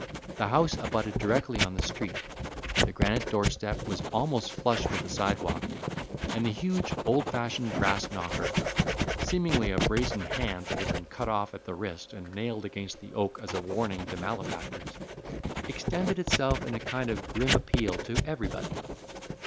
The house abutted directly on the street; the granite doorstep was almost flush with the sidewalk, and the huge old fashioned brass knocker seemingly a brazen hand that had been cut off at the wrist, and nailed against the oak as a warning to malefactors extended itself in a kind of grim appeal to everybody.